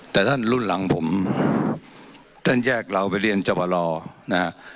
แต่ท่านรุ่นหลังผมท่านแยกเราไปเรียนจบรอนะฮะ